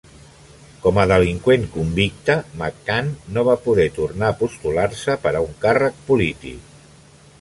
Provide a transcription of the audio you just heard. Com a delinqüent convicte, McCann no va poder tornar a postular-se per a un càrrec polític.